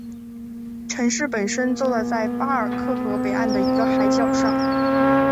城市本身坐落在巴克尔河北岸的一个海角上。